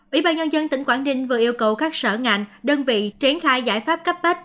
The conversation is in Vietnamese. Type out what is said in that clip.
ủy ban nhân dân tỉnh quảng ninh vừa yêu cầu các sở ngành đơn vị triển khai giải pháp cấp bách